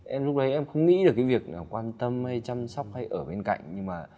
em lúc đấy em không nghĩ được cái việc quan tâm hay chăm sóc hay ở bên cạnh nhưng mà